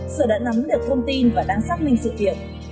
sở đã nắm được thông tin và đang xác minh sự việc